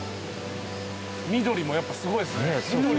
緑もやっぱすごいっすね。